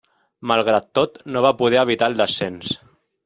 Malgrat tot, no va poder evitar el descens.